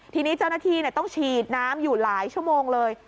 ทีนี้เจ้าหน้าที่ต้องฉีดน้ำอยู่หลายชั่วโมงเลย